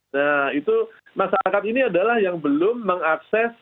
nah itu masyarakat ini adalah yang belum mengakses